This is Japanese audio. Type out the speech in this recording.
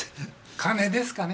金ですかね。